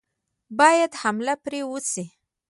باید حمله پرې وشي.